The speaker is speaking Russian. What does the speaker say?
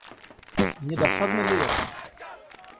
Не досадно ли это?